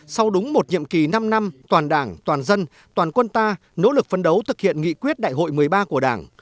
sau đúng một nhiệm kỳ năm năm toàn đảng toàn dân toàn quân ta nỗ lực phân đấu thực hiện nghị quyết đại hội một mươi ba của đảng